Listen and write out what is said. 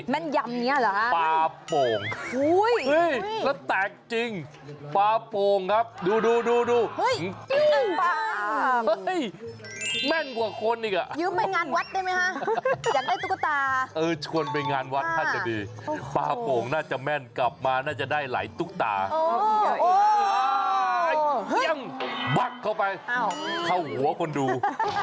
แม่นยำอย่างนี้หรือครับภาพโป่งแล้วแตกจริงภาพโป่งครับดู